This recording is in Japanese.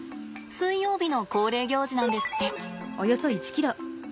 水曜日の恒例行事なんですって。